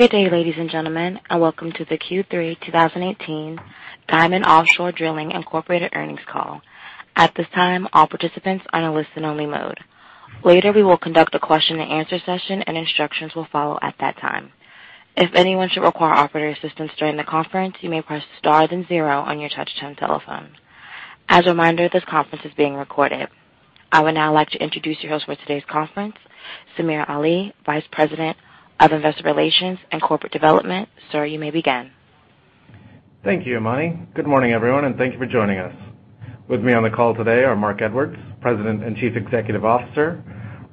Good day, ladies and gentlemen, and welcome to the Q3 2018 Diamond Offshore Drilling, Inc. earnings call. At this time, all participants are in a listen only mode. Later, we will conduct a question and answer session, and instructions will follow at that time. If anyone should require operator assistance during the conference, you may press star then zero on your touch-tone telephones. As a reminder, this conference is being recorded. I would now like to introduce you to host for today's conference, Samir Ali, Vice President of Investor Relations and Corporate Development. Sir, you may begin. Thank you, Imani. Good morning, everyone, thank you for joining us. With me on the call today are Marc Edwards, President and Chief Executive Officer,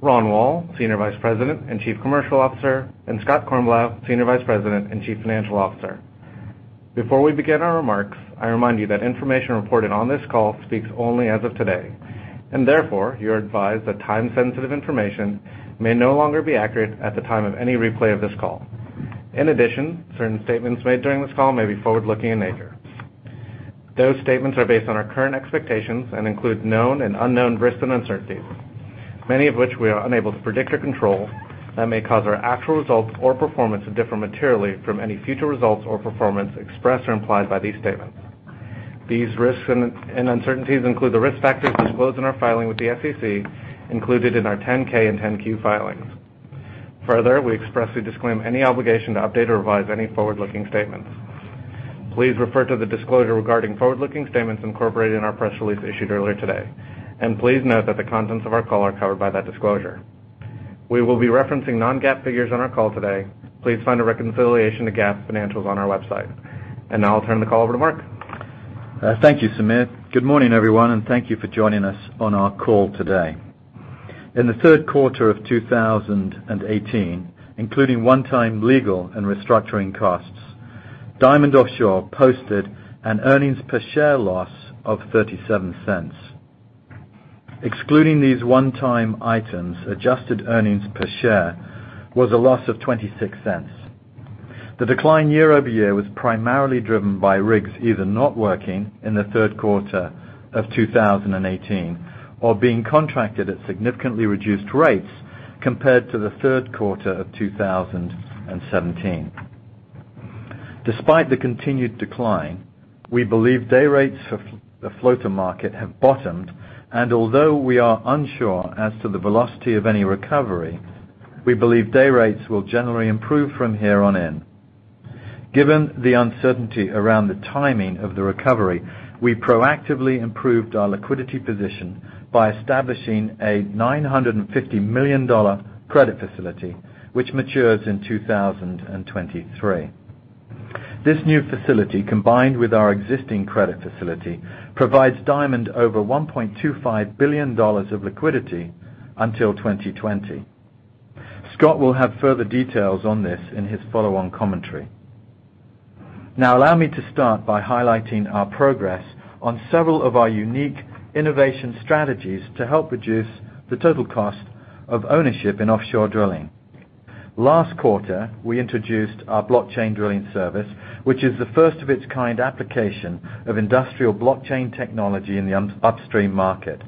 Ronald Woll, Senior Vice President and Chief Commercial Officer, and Scott Kornbluth, Senior Vice President and Chief Financial Officer. Before we begin our remarks, I remind you that information reported on this call speaks only as of today, and therefore you are advised that time-sensitive information may no longer be accurate at the time of any replay of this call. In addition, certain statements made during this call may be forward-looking in nature. Those statements are based on our current expectations and include known and unknown risks and uncertainties, many of which we are unable to predict or control that may cause our actual results or performance to differ materially from any future results or performance expressed or implied by these statements. These risks and uncertainties include the risk factors disclosed in our filing with the SEC included in our 10-K and 10-Q filings. We expressly disclaim any obligation to update or revise any forward-looking statements. Please refer to the disclosure regarding forward-looking statements incorporated in our press release issued earlier today, and please note that the contents of our call are covered by that disclosure. We will be referencing non-GAAP figures on our call today. Please find a reconciliation to GAAP financials on our website. Now I'll turn the call over to Marc. Thank you, Samir. Good morning, everyone, thank you for joining us on our call today. In the third quarter of 2018, including one-time legal and restructuring costs, Diamond Offshore posted an EPS loss of $0.37. Excluding these one-time items, adjusted EPS was a loss of $0.26. The decline year-over-year was primarily driven by rigs either not working in the third quarter of 2018 or being contracted at significantly reduced rates compared to the third quarter of 2017. Despite the continued decline, we believe day rates for the floater market have bottomed, and although we are unsure as to the velocity of any recovery, we believe day rates will generally improve from here on in. Given the uncertainty around the timing of the recovery, we proactively improved our liquidity position by establishing a $950 million credit facility which matures in 2023. This new facility, combined with our existing credit facility, provides Diamond Offshore over $1.25 billion of liquidity until 2020. Scott will have further details on this in his follow-on commentary. Now allow me to start by highlighting our progress on several of our unique innovation strategies to help reduce the total cost of ownership in offshore drilling. Last quarter, we introduced our Blockchain Drilling service, which is the first of its kind application of industrial blockchain technology in the upstream market.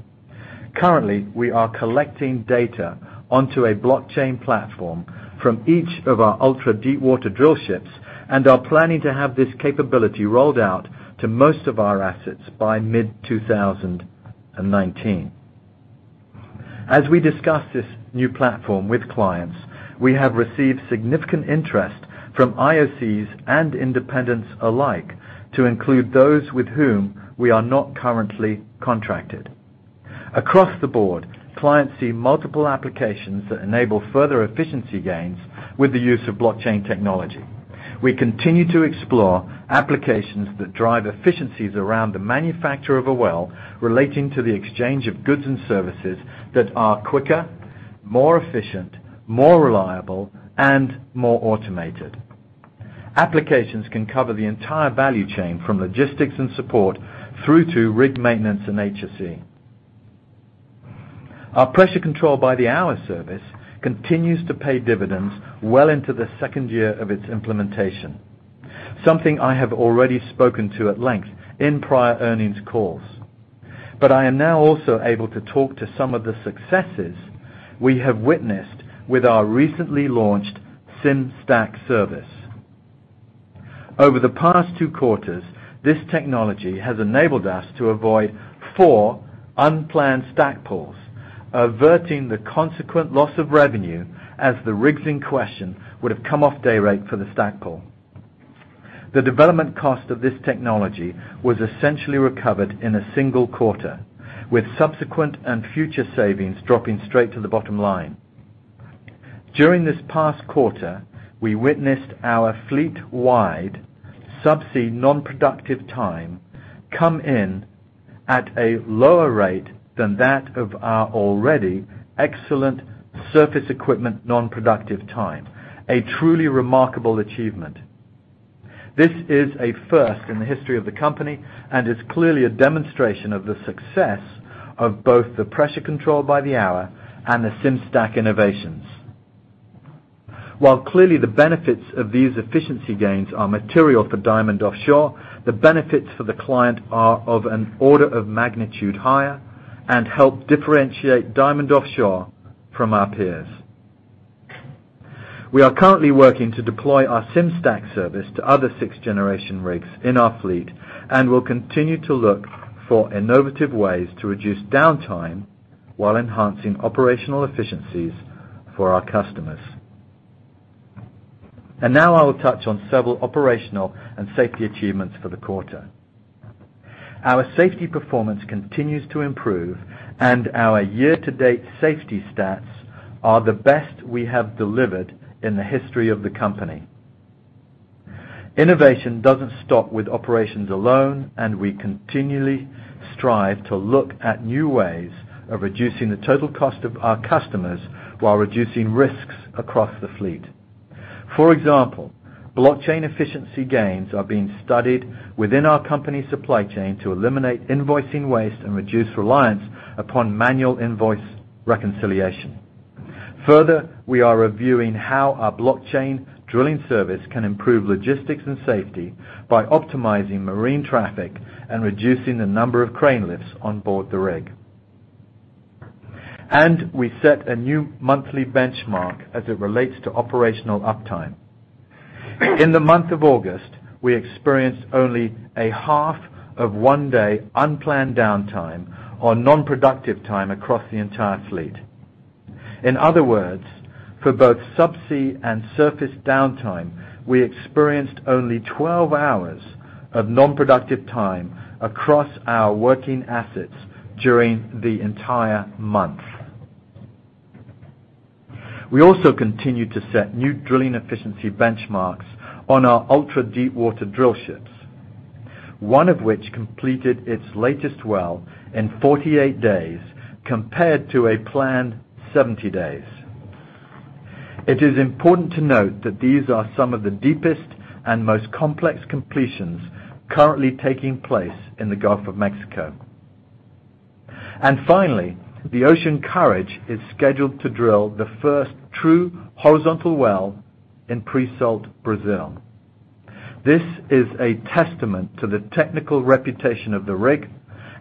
Currently, we are collecting data onto a blockchain platform from each of our ultra-deepwater drillships and are planning to have this capability rolled out to most of our assets by mid-2019. As we discuss this new platform with clients, we have received significant interest from IOCs and independents alike to include those with whom we are not currently contracted. Across the board, clients see multiple applications that enable further efficiency gains with the use of blockchain technology. We continue to explore applications that drive efficiencies around the manufacture of a well relating to the exchange of goods and services that are quicker, more efficient, more reliable, and more automated. Applications can cover the entire value chain, from logistics and support through to rig maintenance and HSE. Our Pressure Control by the Hour service continues to pay dividends well into the second year of its implementation, something I have already spoken to at length in prior earnings calls. I am now also able to talk to some of the successes we have witnessed with our recently launched Sim-Stack service. Over the past two quarters, this technology has enabled us to avoid four unplanned stack pulls, averting the consequent loss of revenue as the rigs in question would have come off day rate for the stack pull. The development cost of this technology was essentially recovered in a single quarter, with subsequent and future savings dropping straight to the bottom line. During this past quarter, we witnessed our fleet-wide subsea non-productive time come in at a lower rate than that of our already excellent surface equipment non-productive time. A truly remarkable achievement. This is a first in the history of the company and is clearly a demonstration of the success of both the Pressure Control by the Hour and the Sim-Stack innovations. While clearly the benefits of these efficiency gains are material for Diamond Offshore, the benefits for the client are of an order of magnitude higher and help differentiate Diamond Offshore from our peers. We are currently working to deploy our Sim-Stack service to other sixth-generation rigs in our fleet, and will continue to look for innovative ways to reduce downtime while enhancing operational efficiencies for our customers. Now I will touch on several operational and safety achievements for the quarter. Our safety performance continues to improve, and our year-to-date safety stats are the best we have delivered in the history of the company. Innovation doesn't stop with operations alone, and we continually strive to look at new ways of reducing the total cost of our customers while reducing risks across the fleet. For example, Blockchain Drilling service efficiency gains are being studied within our company supply chain to eliminate invoicing waste and reduce reliance upon manual invoice reconciliation. Further, we are reviewing how our Blockchain Drilling service can improve logistics and safety by optimizing marine traffic and reducing the number of crane lifts on board the rig. We set a new monthly benchmark as it relates to operational uptime. In the month of August, we experienced only a half of one day unplanned downtime or non-productive time across the entire fleet. In other words, for both subsea and surface downtime, we experienced only 12 hours of non-productive time across our working assets during the entire month. We also continued to set new drilling efficiency benchmarks on our ultra-deepwater drillships, one of which completed its latest well in 48 days compared to a planned 70 days. It is important to note that these are some of the deepest and most complex completions currently taking place in the Gulf of Mexico. Finally, the Ocean Courage is scheduled to drill the first true horizontal well in pre-salt Brazil. This is a testament to the technical reputation of the rig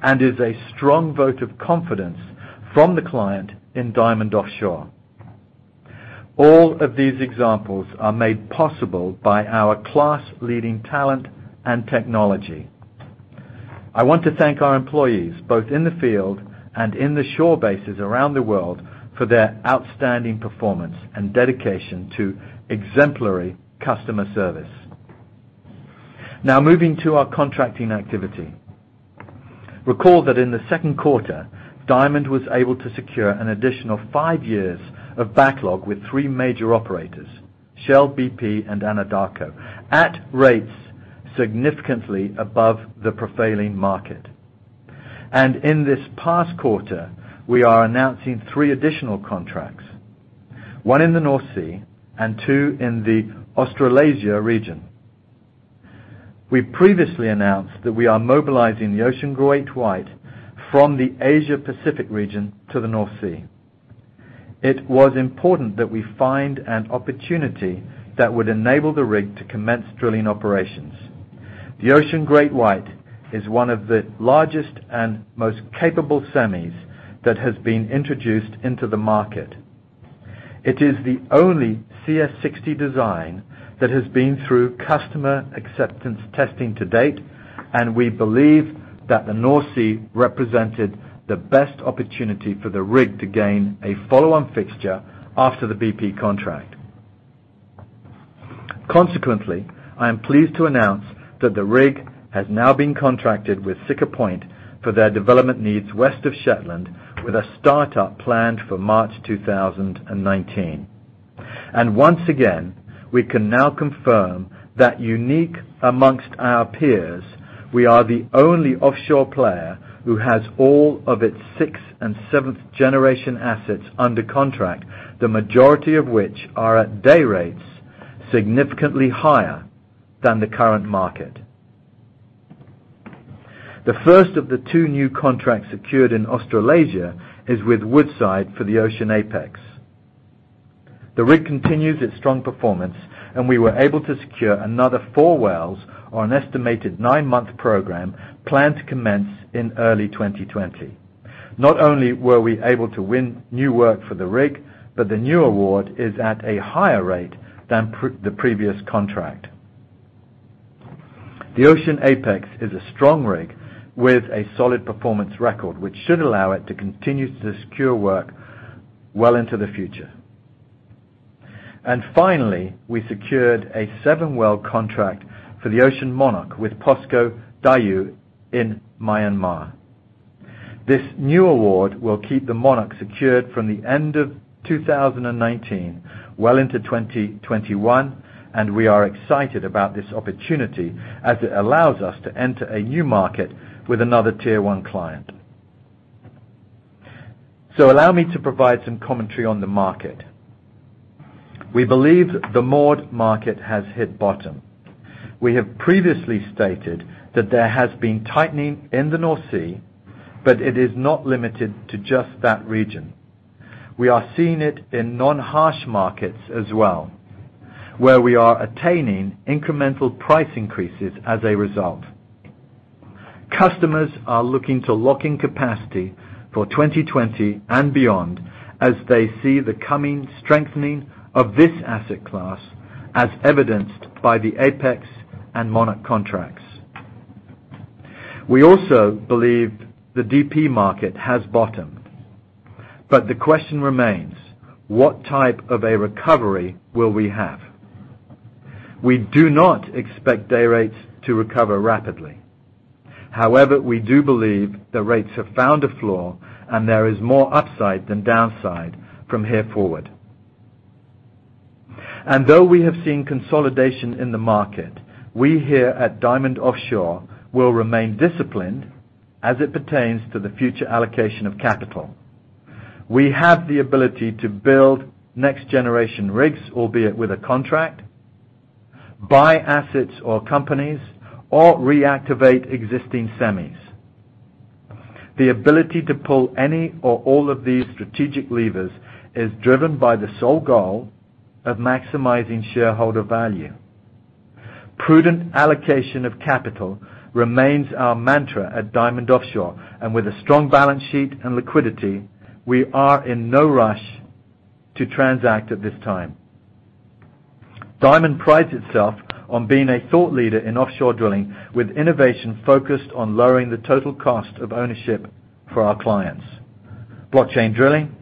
and is a strong vote of confidence from the client in Diamond Offshore. All of these examples are made possible by our class-leading talent and technology. I want to thank our employees, both in the field and in the shore bases around the world, for their outstanding performance and dedication to exemplary customer service. Moving to our contracting activity. Recall that in the second quarter, Diamond was able to secure an additional five years of backlog with three major operators, Shell, BP, and Anadarko, at rates significantly above the prevailing market. In this past quarter, we are announcing three additional contracts, one in the North Sea and two in the Australasia region. We previously announced that we are mobilizing the Ocean GreatWhite from the Asia-Pacific region to the North Sea. It was important that we find an opportunity that would enable the rig to commence drilling operations. The Ocean GreatWhite is one of the largest and most capable semis that has been introduced into the market. It is the only CS60 design that has been through customer acceptance testing to date. We believe that the North Sea represented the best opportunity for the rig to gain a follow-on fixture after the BP contract. Consequently, I am pleased to announce that the rig has now been contracted with Siccar Point for their development needs west of Shetland, with a startup planned for March 2019. Once again, we can now confirm that unique amongst our peers, we are the only offshore player who has all of its sixth and seventh-generation assets under contract, the majority of which are at day rates significantly higher than the current market. The first of the two new contracts secured in Australasia is with Woodside for the Ocean Apex. The rig continues its strong performance. We were able to secure another four wells on an estimated nine-month program planned to commence in early 2020. Not only were we able to win new work for the rig, but the new award is at a higher rate than the previous contract. The Ocean Apex is a strong rig with a solid performance record, which should allow it to continue to secure work well into the future. We secured a 7-well contract for the Ocean Monarch with POSCO DAEWOO in Myanmar. This new award will keep the Monarch secured from the end of 2019 well into 2021. We are excited about this opportunity as it allows us to enter a new market with another tier 1 client. Allow me to provide some commentary on the market. We believe the moored market has hit bottom. We have previously stated that there has been tightening in the North Sea, but it is not limited to just that region. We are seeing it in non-harsh markets as well, where we are attaining incremental price increases as a result. Customers are looking to lock in capacity for 2020 and beyond as they see the coming strengthening of this asset class, as evidenced by the Apex and Monarch contracts. We also believe the DP market has bottomed, but the question remains, what type of a recovery will we have? We do not expect day rates to recover rapidly. However, we do believe the rates have found a floor. There is more upside than downside from here forward. Though we have seen consolidation in the market, we here at Diamond Offshore will remain disciplined as it pertains to the future allocation of capital. We have the ability to build next-generation rigs, albeit with a contract, buy assets or companies, or reactivate existing semis. The ability to pull any or all of these strategic levers is driven by the sole goal of maximizing shareholder value. Prudent allocation of capital remains our mantra at Diamond Offshore. With a strong balance sheet and liquidity, we are in no rush to transact at this time. Diamond prides itself on being a thought leader in offshore drilling, with innovation focused on lowering the total cost of ownership for our clients. Blockchain Drilling,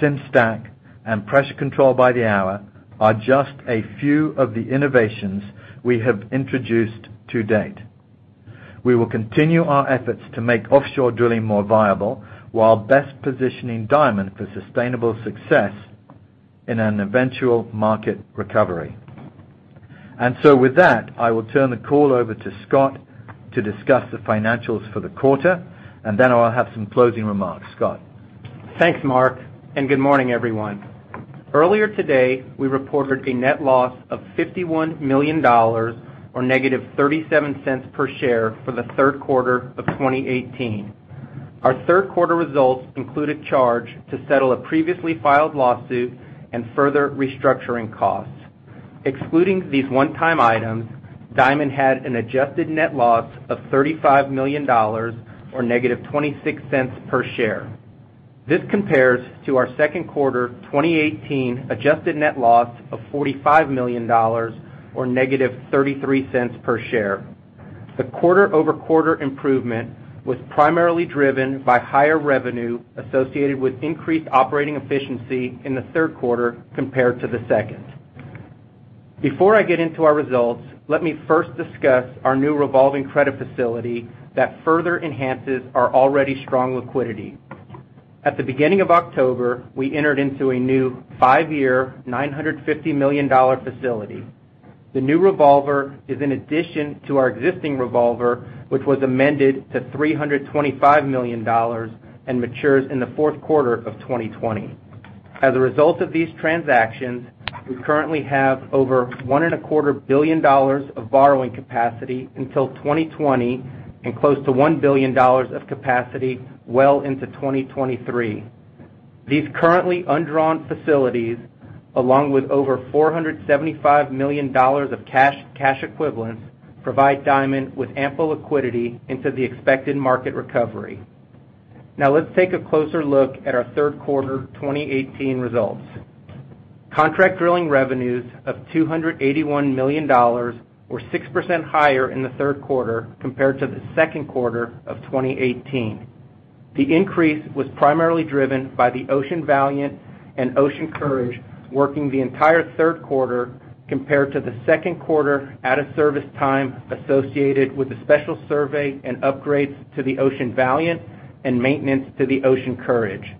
Sim-Stack, and Pressure Control by the Hour are just a few of the innovations we have introduced to date. We will continue our efforts to make offshore drilling more viable while best positioning Diamond for sustainable success in an eventual market recovery. With that, I will turn the call over to Scott to discuss the financials for the quarter. Then I will have some closing remarks. Scott? Thanks, Marc. Good morning, everyone. Earlier today, we reported a net loss of $51 million, or negative $0.37 per share for the third quarter of 2018. Our third-quarter results include a charge to settle a previously filed lawsuit and further restructuring costs. Excluding these one-time items, Diamond had an adjusted net loss of $35 million or negative $0.26 per share. This compares to our second quarter 2018 adjusted net loss of $45 million or negative $0.33 per share. The quarter-over-quarter improvement was primarily driven by higher revenue associated with increased operating efficiency in the third quarter compared to the second. Before I get into our results, let me first discuss our new revolving credit facility that further enhances our already strong liquidity. At the beginning of October, we entered into a new 5-year, $950 million facility. The new revolver is an addition to our existing revolver, which was amended to $325 million and matures in the fourth quarter of 2020. As a result of these transactions, we currently have over $1.25 billion of borrowing capacity until 2020 and close to $1 billion of capacity well into 2023. These currently undrawn facilities, along with over $475 million of cash equivalents, provide Diamond with ample liquidity into the expected market recovery. Let's take a closer look at our third quarter 2018 results. Contract drilling revenues of $281 million were 6% higher in the third quarter compared to the second quarter of 2018. The increase was primarily driven by the Ocean Valiant and Ocean Courage working the entire third quarter compared to the second quarter out-of-service time associated with the special survey and upgrades to the Ocean Valiant and maintenance to the Ocean Courage.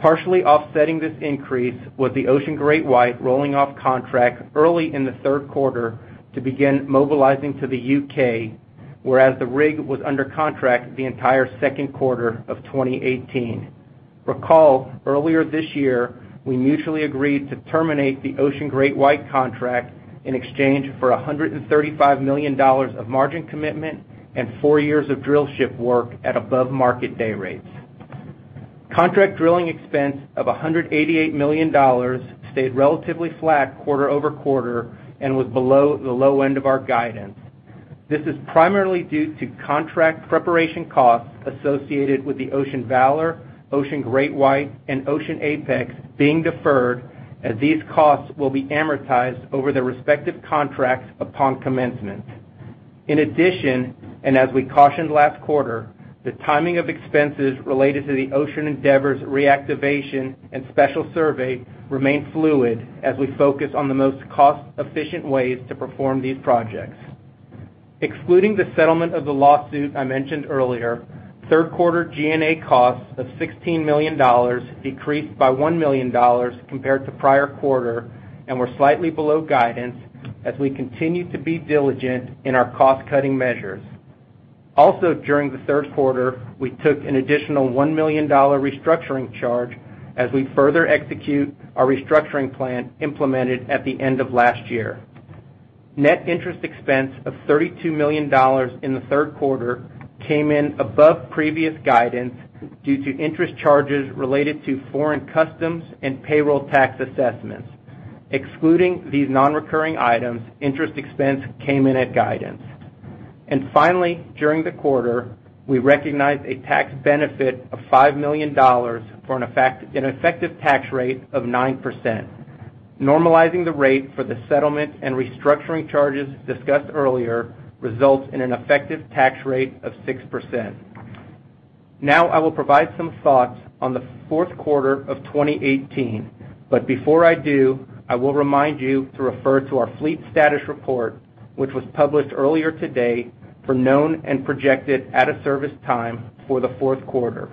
Partially offsetting this increase was the Ocean GreatWhite rolling off contract early in the third quarter to begin mobilizing to the U.K., whereas the rig was under contract the entire second quarter of 2018. Recall, earlier this year, we mutually agreed to terminate the Ocean GreatWhite contract in exchange for $135 million of margin commitment and four years of drillship work at above-market day rates. Contract drilling expense of $188 million stayed relatively flat quarter-over-quarter and was below the low end of our guidance. This is primarily due to contract preparation costs associated with the Ocean Valor, Ocean GreatWhite, and Ocean Apex being deferred as these costs will be amortized over their respective contracts upon commencement. As we cautioned last quarter, the timing of expenses related to the Ocean Endeavor's reactivation and special survey remain fluid as we focus on the most cost-efficient ways to perform these projects. Excluding the settlement of the lawsuit I mentioned earlier, third-quarter G&A costs of $16 million decreased by $1 million compared to the prior quarter and were slightly below guidance as we continue to be diligent in our cost-cutting measures. Also, during the third quarter, we took an additional $1 million restructuring charge as we further execute our restructuring plan implemented at the end of last year. Net interest expense of $32 million in the third quarter came in above previous guidance due to interest charges related to foreign customs and payroll tax assessments. Excluding these non-recurring items, interest expense came in at guidance. During the quarter, we recognized a tax benefit of $5 million for an effective tax rate of 9%. Normalizing the rate for the settlement and restructuring charges discussed earlier results in an effective tax rate of 6%. I will provide some thoughts on the fourth quarter of 2018, but before I do, I will remind you to refer to our fleet status report, which was published earlier today for known and projected out-of-service time for the fourth quarter.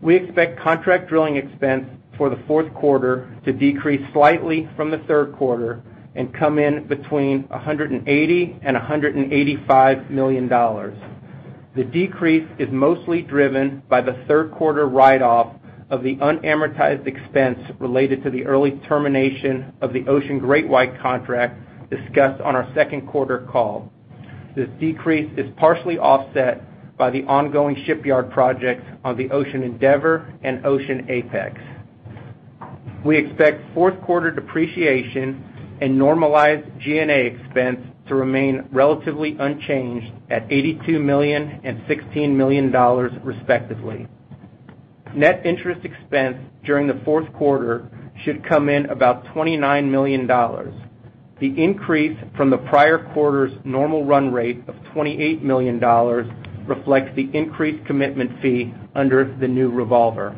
We expect contract drilling expense for the fourth quarter to decrease slightly from the third quarter and come in between $180 million and $185 million. The decrease is mostly driven by the third quarter write-off of the unamortized expense related to the early termination of the Ocean GreatWhite contract discussed on our second quarter call. This decrease is partially offset by the ongoing shipyard projects on the Ocean Endeavor and Ocean Apex. We expect fourth quarter depreciation and normalized G&A expense to remain relatively unchanged at $82 million and $16 million respectively. Net interest expense during the fourth quarter should come in about $29 million. The increase from the prior quarter's normal run rate of $28 million reflects the increased commitment fee under the new revolver.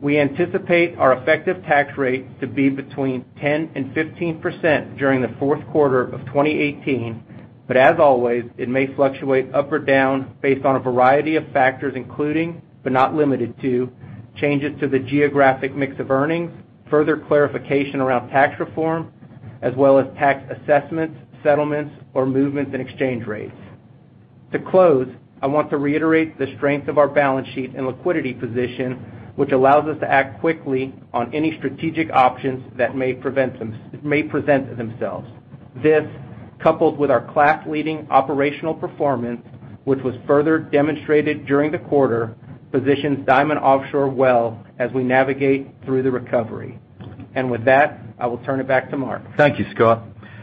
We anticipate our effective tax rate to be between 10%-15% during the fourth quarter of 2018, but as always, it may fluctuate up or down based on a variety of factors, including, but not limited to, changes to the geographic mix of earnings, further clarification around tax reform, as well as tax assessments, settlements, or movements in exchange rates. To close, I want to reiterate the strength of our balance sheet and liquidity position, which allows us to act quickly on any strategic options that may present themselves. This, coupled with our class-leading operational performance, which was further demonstrated during the quarter, positions Diamond Offshore well as we navigate through the recovery. With that, I will turn it back to Marc. Thank you, Scott.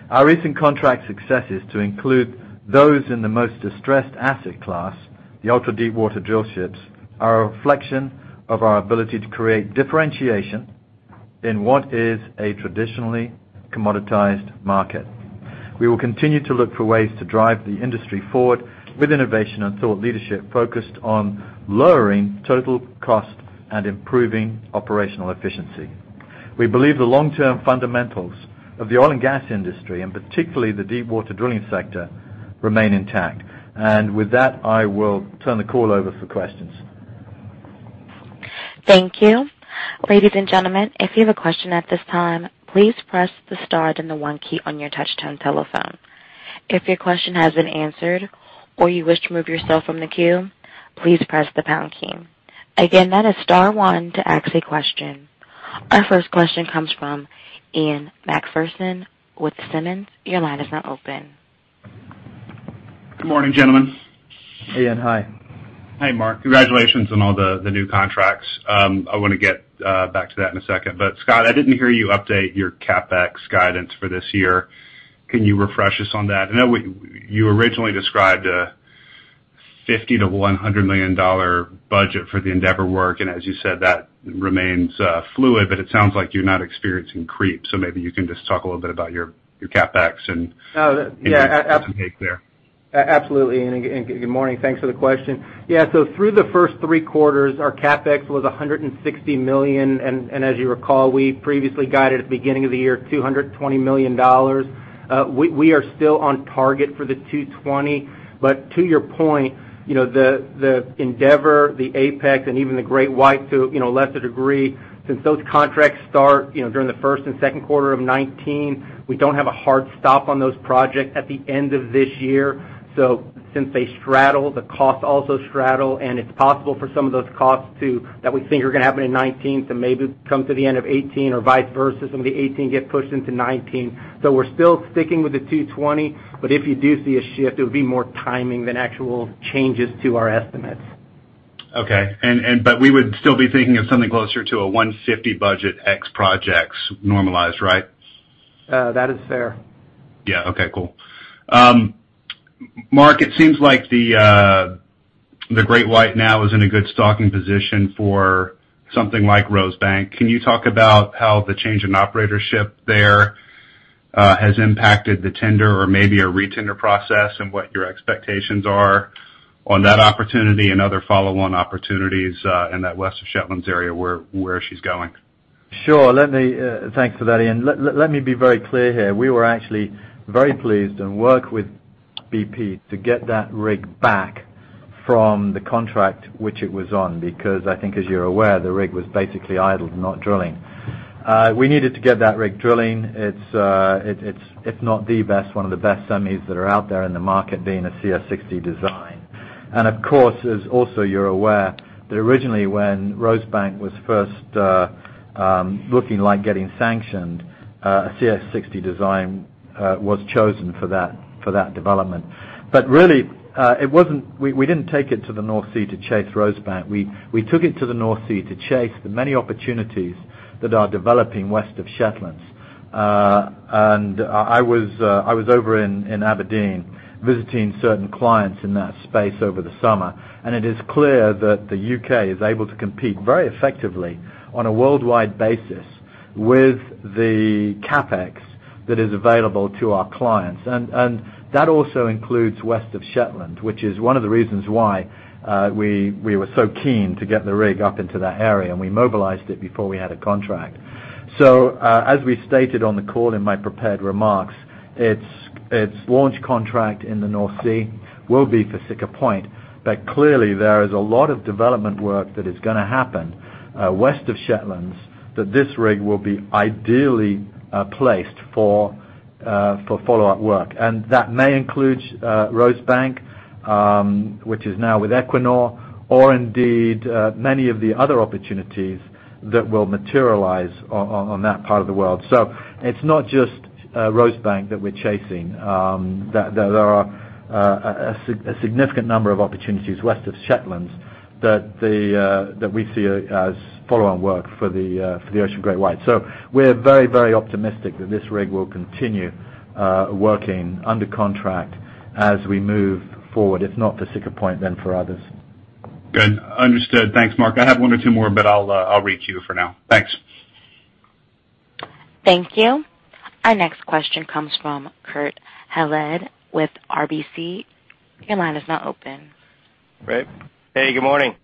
Our recent contract successes to include those in the most distressed asset class, the ultra-deepwater drillships, are a reflection of our ability to create differentiation in what is a traditionally commoditized market. We will continue to look for ways to drive the industry forward with innovation and thought leadership focused on lowering total cost and improving operational efficiency. We believe the long-term fundamentals of the oil and gas industry, and particularly the deepwater drilling sector, remain intact. With that, I will turn the call over for questions. Thank you. Ladies and gentlemen, if you have a question at this time, please press the star then the one key on your touch-tone telephone. If your question has been answered or you wish to remove yourself from the queue, please press the pound key. Again, that is star one to ask a question. Our first question comes from Ian Macpherson with Simmons. Your line is now open. Good morning, gentlemen. Ian, hi. Hi, Marc. Congratulations on all the new contracts. I want to get back to that in a second. Scott, I didn't hear you update your CapEx guidance for this year. Can you refresh us on that? I know you originally described a $50 million-$100 million budget for the Endeavor work. As you said, that remains fluid, but it sounds like you're not experiencing creep. Maybe you can just talk a little bit about your CapEx. Yeah. -any updates there. Absolutely. Ian, good morning. Thanks for the question. Yeah. Through the first three quarters, our CapEx was $160 million, and as you recall, we previously guided at the beginning of the year, $220 million. We are still on target for the $220. To your point, the Endeavor, the Apex, and even the GreatWhite to lesser degree, since those contracts start during the first and second quarter of 2019, we don't have a hard stop on those projects at the end of this year. Since they straddle, the costs also straddle, and it's possible for some of those costs too, that we think are going to happen in 2019 to maybe come to the end of 2018 or vice versa. Some of the 2018 get pushed into 2019. We're still sticking with the $220. If you do see a shift, it would be more timing than actual changes to our estimates. Okay. We would still be thinking of something closer to a $150 budget X projects normalized, right? That is fair. Yeah. Okay, cool. Marc, it seems like the GreatWhite now is in a good stocking position for something like Rosebank. Can you talk about how the change in operatorship there has impacted the tender or maybe a re-tender process and what your expectations are on that opportunity and other follow-on opportunities in that west of Shetlands area where she's going? Sure. Thanks for that, Ian. Let me be very clear here. We were actually very pleased and worked with BP to get that rig back from the contract which it was on, because I think as you're aware, the rig was basically idled, not drilling. We needed to get that rig drilling. It's, if not the best, one of the best semis that are out there in the market, being a CS60 design. Of course, as also you're aware, that originally when Rosebank was first looking like getting sanctioned, a CS60 design was chosen for that development. Really, we didn't take it to the North Sea to chase Rosebank. We took it to the North Sea to chase the many opportunities that are developing west of Shetlands. I was over in Aberdeen visiting certain clients in that space over the summer, and it is clear that the U.K. is able to compete very effectively on a worldwide basis with the CapEx that is available to our clients. That also includes west of Shetlands, which is one of the reasons why we were so keen to get the rig up into that area, and we mobilized it before we had a contract. As we stated on the call in my prepared remarks, its launch contract in the North Sea will be for Siccar Point, clearly there is a lot of development work that is going to happen west of Shetlands that this rig will be ideally placed for follow-up work. That may include Rosebank, which is now with Equinor, or indeed, many of the other opportunities that will materialize on that part of the world. It's not just Rosebank that we're chasing. There are a significant number of opportunities west of Shetlands that we see as follow-on work for the Ocean GreatWhite. We're very optimistic that this rig will continue working under contract as we move forward, if not for Siccar Point, then for others. Good. Understood. Thanks, Marc. I have one or two more, but I'll re-queue for now. Thanks. Thank you. Our next question comes from Kurt Hallead with RBC. Your line is now open. Great. Hey, good morning.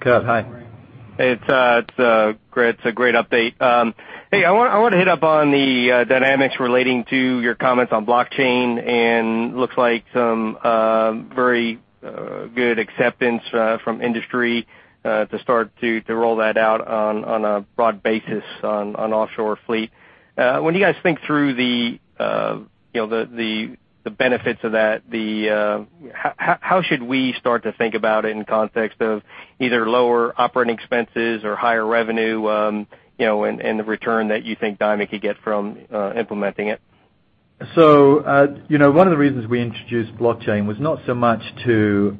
Kurt, hi. It's a great update. I want to hit up on the dynamics relating to your comments on blockchain and looks like some very good acceptance from industry to start to roll that out on a broad basis on offshore fleet. When you guys think through the benefits of that, how should we start to think about it in context of either lower operating expenses or higher revenue, and the return that you think Diamond could get from implementing it? One of the reasons we introduced blockchain was not so much to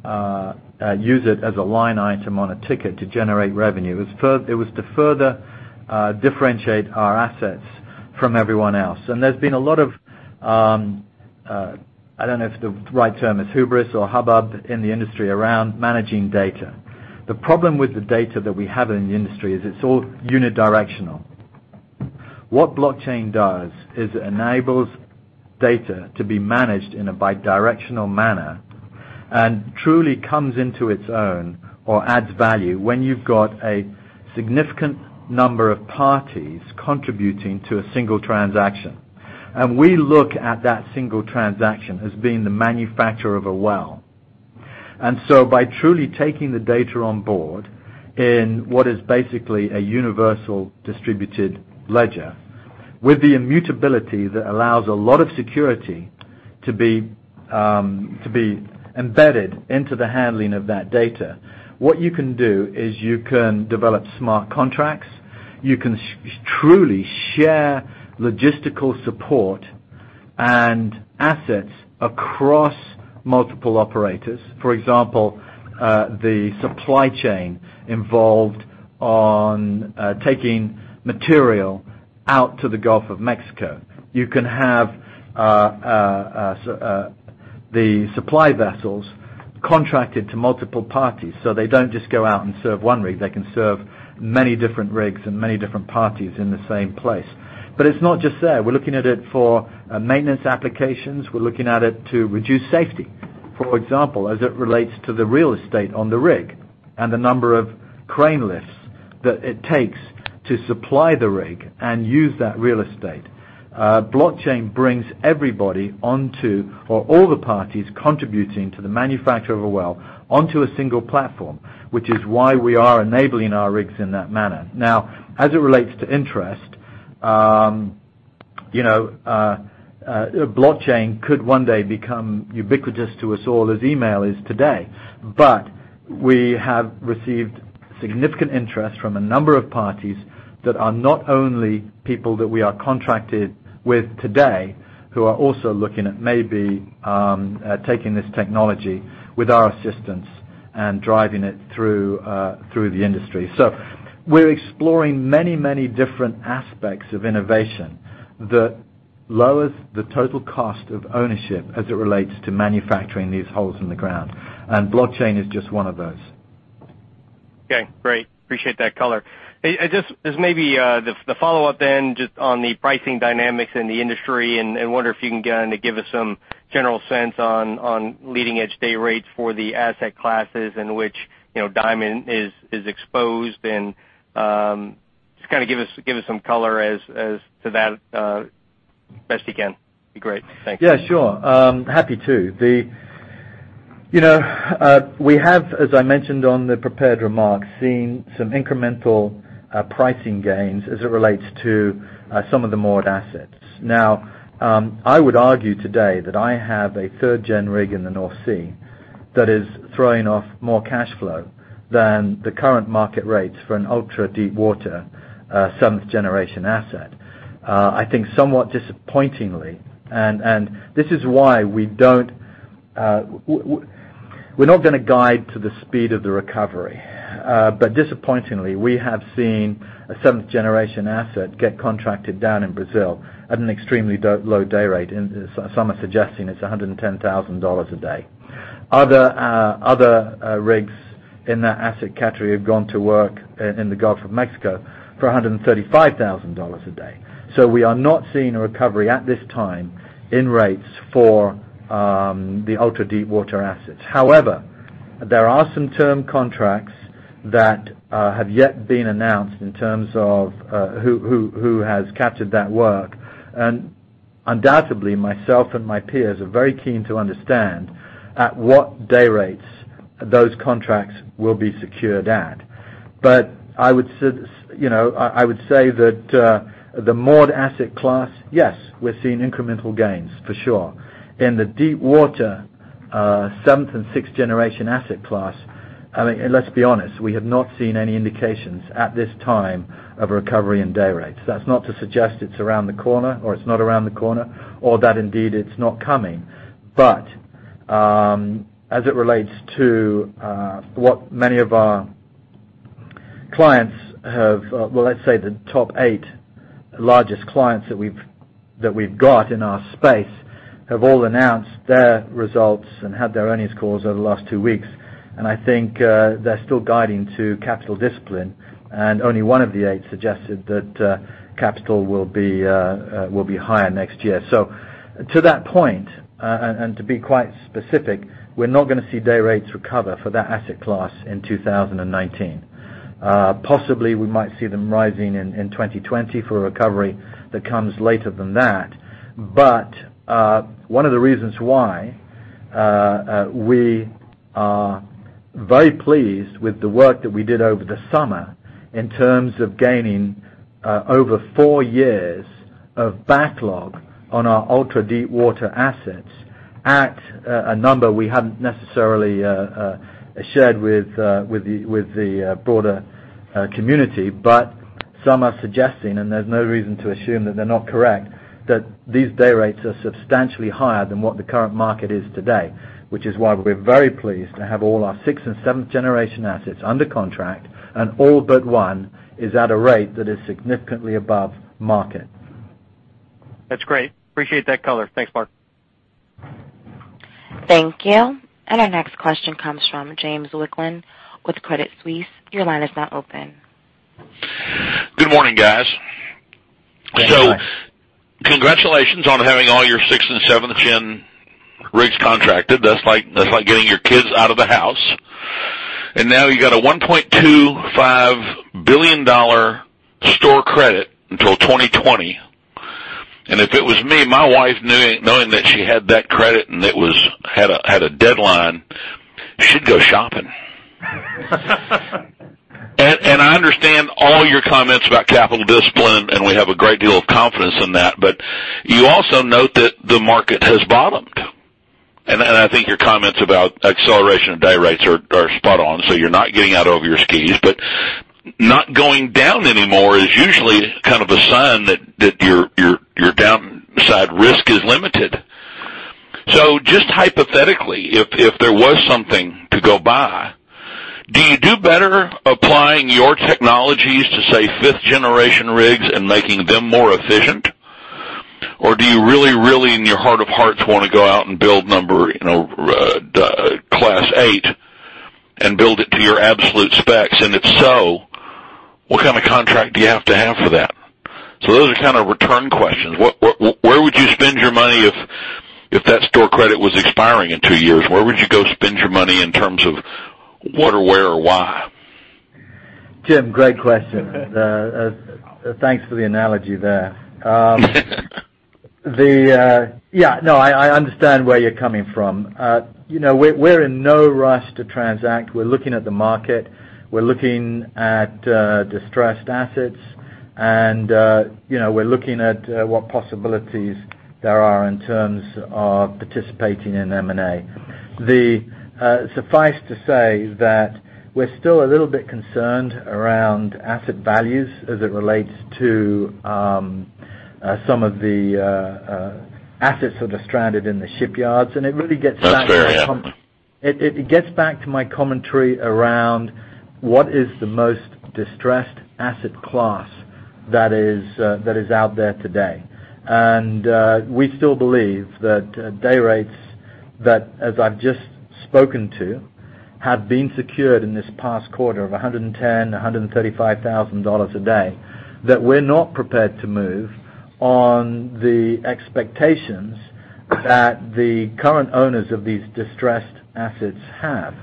use it as a line item on a ticket to generate revenue. It was to further differentiate our assets from everyone else. There's been a lot of, I don't know if the right term is hubris or hubbub in the industry around managing data. The problem with the data that we have in the industry is it's all unidirectional. Blockchain does is it enables data to be managed in a bidirectional manner and truly comes into its own or adds value when you've got a significant number of parties contributing to a single transaction. We look at that single transaction as being the manufacturer of a well. By truly taking the data on board in what is basically a universal distributed ledger, with the immutability that allows a lot of security to be embedded into the handling of that data, what you can do is you can develop smart contracts. You can truly share logistical support and assets across multiple operators. For example, the supply chain involved on taking material out to the Gulf of Mexico. You can have the supply vessels contracted to multiple parties, so they don't just go out and serve one rig. They can serve many different rigs and many different parties in the same place. It's not just there. We're looking at it for maintenance applications. We're looking at it to reduce safety, for example, as it relates to the real estate on the rig and the number of crane lifts that it takes to supply the rig and use that real estate. Blockchain brings everybody onto, or all the parties contributing to the manufacture of a well, onto a single platform, which is why we are enabling our rigs in that manner. As it relates to interest, blockchain could one day become ubiquitous to us all as email is today. We have received significant interest from a number of parties that are not only people that we are contracted with today, who are also looking at maybe taking this technology with our assistance and driving it through the industry. We're exploring many different aspects of innovation that lowers the total cost of ownership as it relates to manufacturing these holes in the ground, and blockchain is just one of those. Okay, great. Appreciate that color. Just as maybe the follow-up then, just on the pricing dynamics in the industry, and I wonder if you can give us some general sense on leading edge day rates for the asset classes in which Diamond Offshore is exposed and just give us some color as to that, best you can. Be great. Thanks. Yeah, sure. Happy to. We have, as I mentioned on the prepared remarks, seen some incremental pricing gains as it relates to some of the moored assets. Now, I would argue today that I have a third-gen rig in the North Sea that is throwing off more cash flow than the current market rates for an ultra-deepwater, 7th-generation asset. I think somewhat disappointingly, and this is why we're not going to guide to the speed of the recovery. Disappointingly, we have seen a 7th-generation asset get contracted down in Brazil at an extremely low day rate. Some are suggesting it's $110,000 a day. Other rigs in that asset category have gone to work in the Gulf of Mexico for $135,000 a day. We are not seeing a recovery at this time in rates for the ultra-deepwater assets. However, there are some term contracts that have yet been announced in terms of who has captured that work. Undoubtedly, myself and my peers are very keen to understand at what day rates those contracts will be secured at. I would say that the moored asset class, yes, we're seeing incremental gains for sure. In the deepwater, 7th and 6th-generation asset class, let's be honest, we have not seen any indications at this time of a recovery in day rates. That's not to suggest it's around the corner, or it's not around the corner, or that indeed it's not coming. As it relates to what many of our clients have Well, let's say the top eight largest clients that we've got in our space have all announced their results and had their earnings calls over the last two weeks, and I think they're still guiding to capital discipline, and only one of the eight suggested that capital will be higher next year. To that point, and to be quite specific, we're not going to see day rates recover for that asset class in 2019. Possibly, we might see them rising in 2020 for a recovery that comes later than that. One of the reasons why we are very pleased with the work that we did over the summer in terms of gaining over four years of backlog on our ultra-deepwater assets at a number we haven't necessarily shared with the broader community. Some are suggesting, and there's no reason to assume that they're not correct, that these day rates are substantially higher than what the current market is today, which is why we're very pleased to have all our sixth-generation and seventh-generation assets under contract, and all but one is at a rate that is significantly above market. That's great. Appreciate that color. Thanks, Marc. Thank you. Our next question comes from Jim Wicklund with Credit Suisse. Your line is now open. Good morning, guys. Good morning. Congratulations on having all your 6th-gen and 7th-gen rigs contracted. That's like getting your kids out of the house. Now you got a $1.25 billion store credit until 2020. If it was me, my wife knowing that she had that credit and it had a deadline, she'd go shopping. I understand all your comments about capital discipline, and we have a great deal of confidence in that. You also note that the market has bottomed. I think your comments about acceleration of day rates are spot on. You're not getting out over your skis, but not going down anymore is usually kind of a sign that your downside risk is limited. Just hypothetically, if there was something to go by, do you do better applying your technologies to, say, 5th-generation rigs and making them more efficient? Do you really, really, in your heart of hearts, want to go out and build class 8 and build it to your absolute specs? If so, what kind of contract do you have to have for that? Those are kind of return questions. Where would you spend your money if that store credit was expiring in two years? Where would you go spend your money in terms of what or where or why? Jim, great question. Thanks for the analogy there. Yeah, no, I understand where you're coming from. We're in no rush to transact. We're looking at the market. We're looking at distressed assets. We're looking at what possibilities there are in terms of participating in M&A. Suffice to say that we're still a little bit concerned around asset values as it relates to some of the assets that are stranded in the shipyards. It really gets back to my. That's fair, yeah. It gets back to my commentary around what is the most distressed asset class that is out there today? We still believe that day rates, that as I've just spoken to, have been secured in this past quarter of $110,000, $135,000 a day, that we're not prepared to move on the expectations that the current owners of these distressed assets have.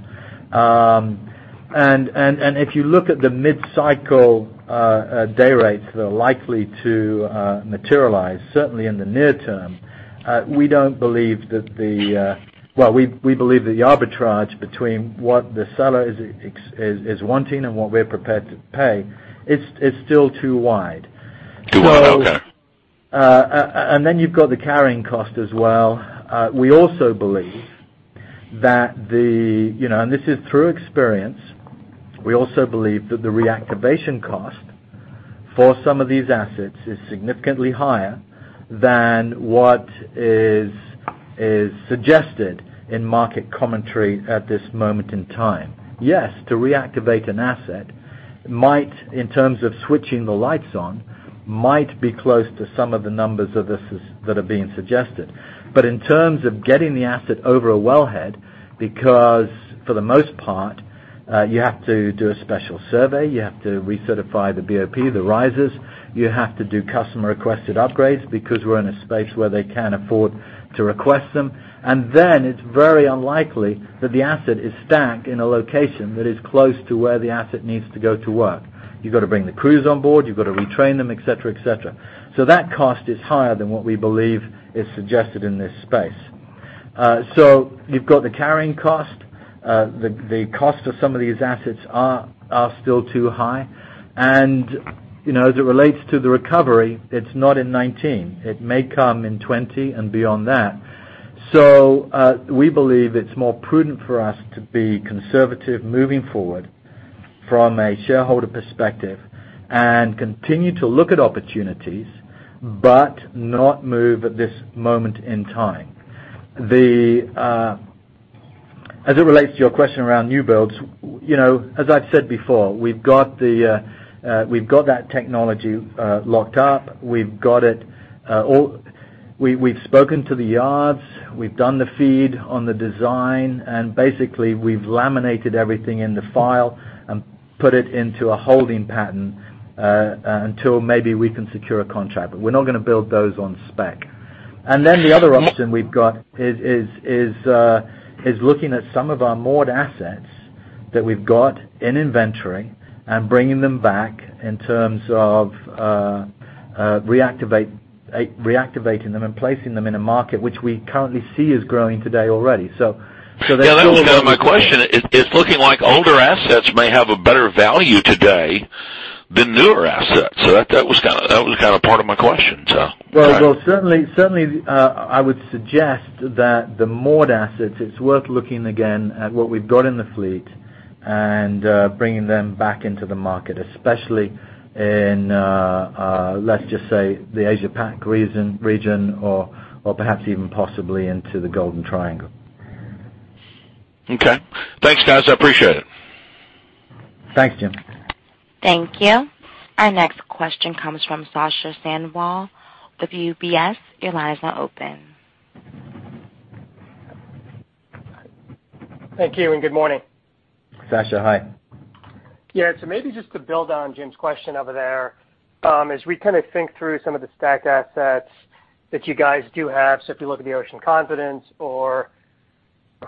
Okay. If you look at the mid-cycle day rates that are likely to materialize, certainly in the near term, we believe the arbitrage between what the seller is wanting and what we're prepared to pay is still too wide. Too wide out there. You've got the carrying cost as well. We also believe, and this is through experience, we also believe that the reactivation cost for some of these assets is significantly higher than what is suggested in market commentary at this moment in time. Yes, to reactivate an asset, might, in terms of switching the lights on, might be close to some of the numbers that are being suggested. In terms of getting the asset over a wellhead, because for the most part, you have to do a special survey, you have to recertify the BOP, the risers, you have to do customer-requested upgrades because we're in a space where they can afford to request them. It's very unlikely that the asset is stacked in a location that is close to where the asset needs to go to work. You've got to bring the crews on board, you've got to retrain them, et cetera. That cost is higher than what we believe is suggested in this space. You've got the carrying cost. The cost of some of these assets are still too high. As it relates to the recovery, it's not in 2019. It may come in 2020 and beyond that. We believe it's more prudent for us to be conservative moving forward from a shareholder perspective and continue to look at opportunities but not move at this moment in time. As it relates to your question around new builds, as I've said before, we've got that technology locked up. We've spoken to the yards, we've done the feed on the design, basically we've laminated everything in the file and put it into a holding pattern, until maybe we can secure a contract. We're not going to build those on spec. The other option we've got is looking at some of our moored assets that we've got in inventory and bringing them back in terms of reactivating them and placing them in a market which we currently see is growing today already. So. Yeah, that was kind of my question. It's looking like older assets may have a better value today than newer assets. That was part of my question. Okay. Well, certainly, I would suggest that the moored assets, it's worth looking again at what we've got in the fleet and bringing them back into the market, especially in, let's just say, the Asia Pac region or perhaps even possibly into the Golden Triangle. Okay. Thanks, guys. I appreciate it. Thanks, Jim. Thank you. Our next question comes from Sasha Sanwal with UBS. Your line is now open. Thank you and good morning. Sasha, hi. Yeah. Maybe just to build on Jims' question over there. As we think through some of the stacked assets that you guys do have, if you look at the Ocean Confidence or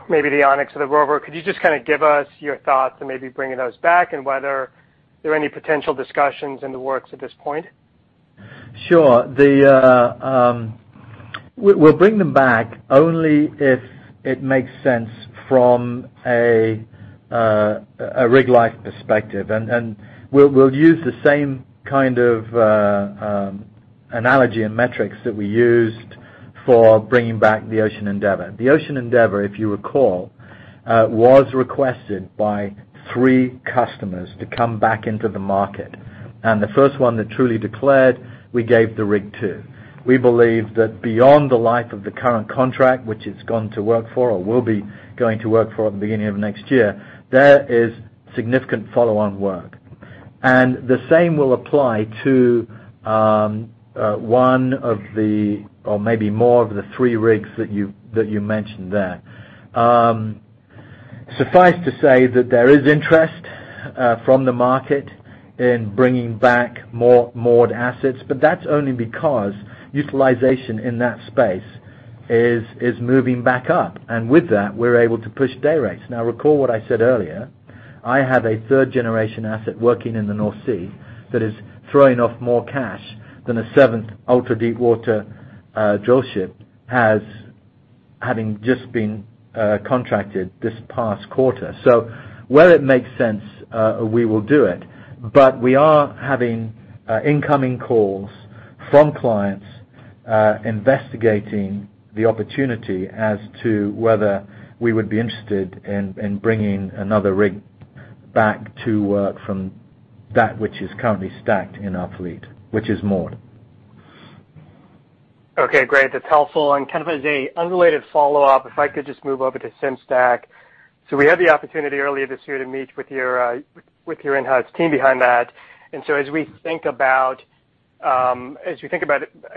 maybe the Onyx or the Rover, could you just give us your thoughts on maybe bringing those back and whether there are any potential discussions in the works at this point? Sure. We'll bring them back only if it makes sense from a rig life perspective. We'll use the same kind of analogy and metrics that we used for bringing back the Ocean Endeavor. The Ocean Endeavor, if you recall, was requested by three customers to come back into the market. The first one that truly declared, we gave the rig to. We believe that beyond the life of the current contract, which it's gone to work for or will be going to work for at the beginning of next year, there is significant follow-on work. The same will apply to one of the, or maybe more of the three rigs that you mentioned there. Suffice to say that there is interest from the market in bringing back more moored assets, that's only because utilization in that space is moving back up. With that, we're able to push day rates. Now, recall what I said earlier, I have a third-generation asset working in the North Sea that is throwing off more cash than a seventh ultra-deepwater drillship, having just been contracted this past quarter. Where it makes sense, we will do it. We are having incoming calls from clients, investigating the opportunity as to whether we would be interested in bringing another rig back to work from that which is currently stacked in our fleet, which is moored. Okay, great. That's helpful. Kind of as a unrelated follow-up, if I could just move over to Sim-Stack. We had the opportunity earlier this year to meet with your in-house team behind that. As we think about, I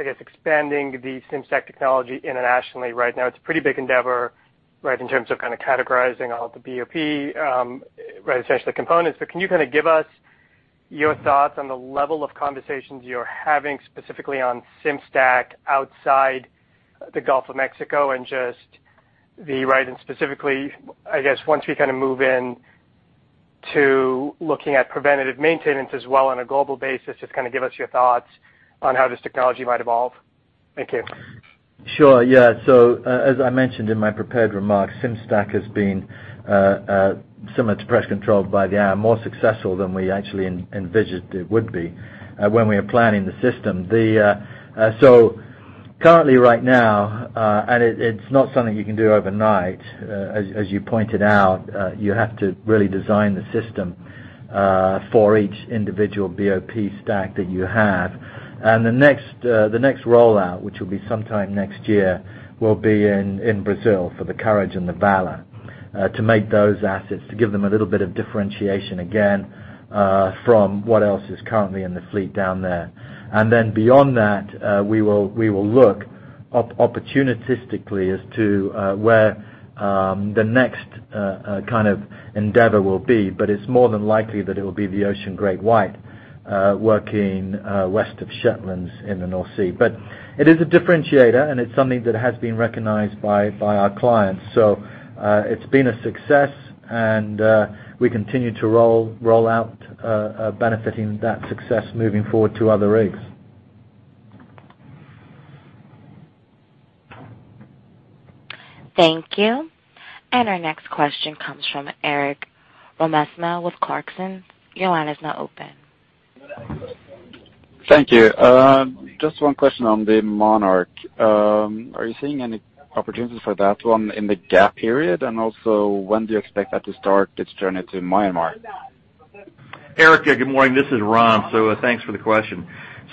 guess, expanding the Sim-Stack technology internationally right now, it's a pretty big endeavor, right? In terms of categorizing all the BOP, right, essentially components. Can you kind of give us your thoughts on the level of conversations you're having, specifically on Sim-Stack outside the Gulf of Mexico, and specifically, I guess, once we move in to looking at preventative maintenance as well on a global basis, just give us your thoughts on how this technology might evolve. Thank you. Sure. Yeah. As I mentioned in my prepared remarks, Sim-Stack has been similar to Pressure Control by the Hour, more successful than we actually envisioned it would be when we were planning the system. Currently, right now, it's not something you can do overnight, as you pointed out, you have to really design the system for each individual BOP stack that you have. The next rollout, which will be sometime next year, will be in Brazil for the Courage and the Valor, to make those assets, to give them a little bit of differentiation again, from what else is currently in the fleet down there. Beyond that, we will look opportunistically as to where the next endeavor will be. It's more than likely that it will be the Ocean GreatWhite working west of Shetlands in the North Sea. It is a differentiator, and it's something that has been recognized by our clients. It's been a success and we continue to roll out, benefiting that success moving forward to other rigs. Thank you. Our next question comes from Erik Rørmos with Clarksons. Your line is now open. Thank you. Just one question on the Monarch. Are you seeing any opportunities for that one in the gap period? Also, when do you expect that to start its journey to Myanmar? Erik, good morning. This is Ron. Thanks for the question.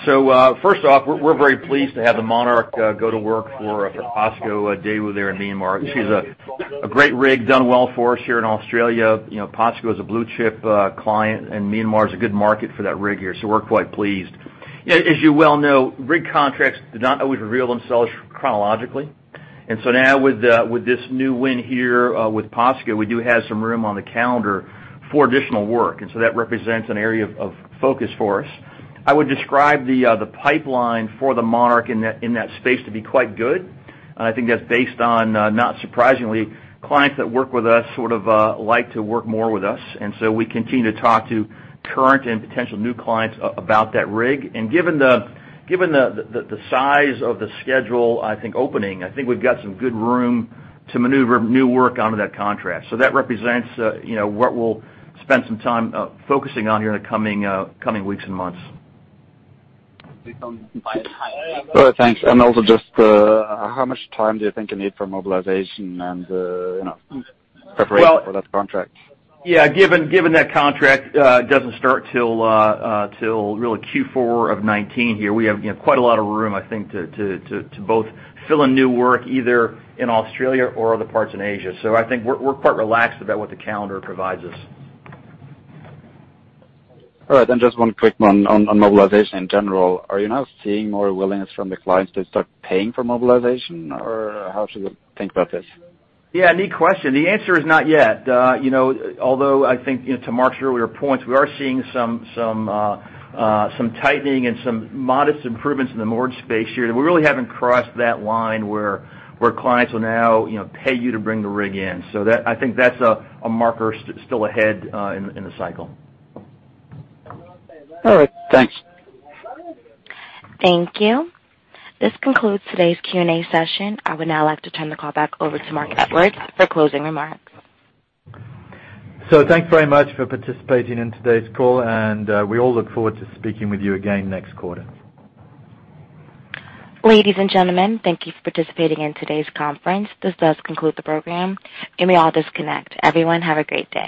First off, we're very pleased to have the Monarch go to work for POSCO DAEWOO there in Myanmar. She's a great rig, done well for us here in Australia. POSCO is a blue-chip client, and Myanmar is a good market for that rig here, so we're quite pleased. As you well know, rig contracts do not always reveal themselves chronologically. Now with this new win here with POSCO, we do have some room on the calendar for additional work, and that represents an area of focus for us. I would describe the pipeline for the Monarch in that space to be quite good. I think that's based on, not surprisingly, clients that work with us sort of like to work more with us, and so we continue to talk to current and potential new clients about that rig. Given the size of the schedule, I think opening, we've got some good room to maneuver new work onto that contract. That represents what we'll spend some time focusing on here in the coming weeks and months. Great. Thanks. Also just, how much time do you think you need for mobilization and preparation for that contract? Yeah, given that contract doesn't start till Q4 of 2019 here, we have quite a lot of room, I think, to both fill in new work either in Australia or other parts in Asia. I think we're quite relaxed about what the calendar provides us. All right, just one quick one on mobilization in general. Are you now seeing more willingness from the clients to start paying for mobilization, or how should we think about this? Yeah, neat question. The answer is not yet. Although I think, to Marc's earlier points, we are seeing some tightening and some modest improvements in the moored space here, that we really haven't crossed that line where clients will now pay you to bring the rig in. I think that's a marker still ahead in the cycle. All right. Thanks. Thank you. This concludes today's Q&A session. I would now like to turn the call back over to Marc Edwards for closing remarks. Thanks very much for participating in today's call, and we all look forward to speaking with you again next quarter. Ladies and gentlemen, thank you for participating in today's conference. This does conclude the program. You may all disconnect. Everyone, have a great day.